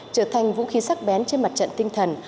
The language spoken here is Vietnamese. trở thành vũ khí sắc bén trên mặt trận tinh thần